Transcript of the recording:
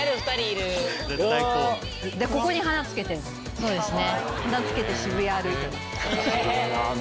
そうですね。